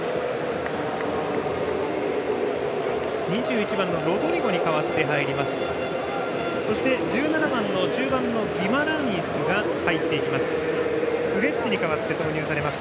２１番、ロドリゴに代わって入ります。